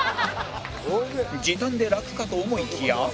時短で楽かと思いきや